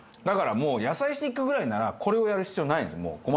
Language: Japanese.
だから野菜スティックぐらいならこれをやる必要ないんですもう。